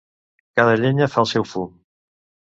Cada llenya fa el seu fum.